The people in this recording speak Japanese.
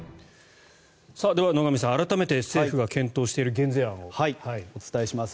では、野上さん改めて政府が検討しているお伝えします。